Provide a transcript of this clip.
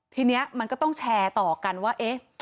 ทีนี้มันก็ต้องแชร์ต่อกันว่าเอ๊ะ